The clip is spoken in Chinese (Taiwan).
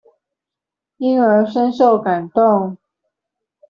因而深受感動